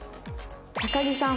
高木さん。